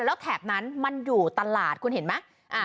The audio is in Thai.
แล้วแถบนั้นมันอยู่ตลาดคุณเห็นไหม